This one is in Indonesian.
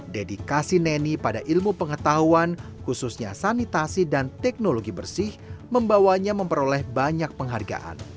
dedikasi neni pada ilmu pengetahuan khususnya sanitasi dan teknologi bersih membawanya memperoleh banyak penghargaan